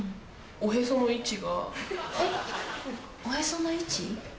おへその位置？